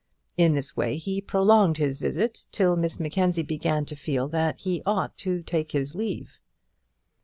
In this way he prolonged his visit till Miss Mackenzie began to feel that he ought to take his leave.